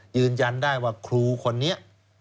ยืนยันได้ว่าครูคนนี้